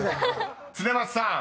［恒松さん